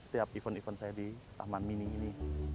setiap event event saya di taman mini ini